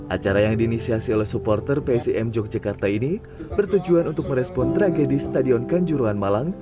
acara yang diinisiasi oleh supporter psim yogyakarta ini bertujuan untuk merespon tragedi stadion kanjuruhan malang